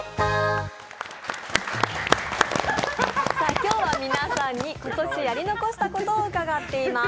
今日は皆さんに今年やり残したことを伺っています。